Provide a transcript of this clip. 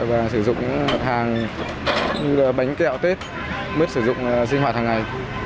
và sử dụng hàng như là bánh kẹo tết bứt sử dụng sinh hoạt hàng ngày